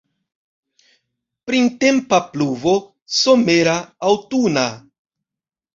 Printempa pluvo, somera, aŭtuna!